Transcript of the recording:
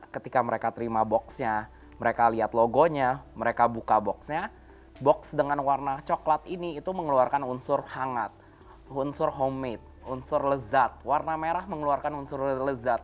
ketika mereka terima boxnya mereka lihat logonya mereka buka boxnya box dengan warna coklat ini itu mengeluarkan unsur hangat unsur homemade unsur lezat warna merah mengeluarkan unsur lezat